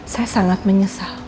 saya sangat menyesal